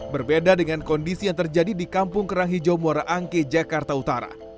berbeda dengan kondisi yang terjadi di kampung kerang hijau muara angke jakarta utara